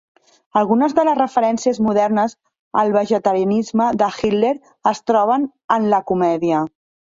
Algunes de les referències modernes al vegetarianisme de Hitler es troben en la comèdia.